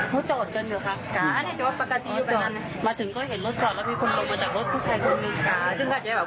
เพราะว่าออกมาอย่างนี้ก็ผู้ชายยิงตัวตายแล้ว